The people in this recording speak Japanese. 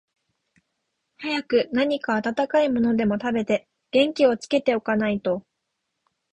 早く何か暖かいものでも食べて、元気をつけて置かないと、